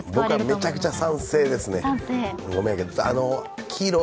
僕はめちゃくちゃ賛成ですね。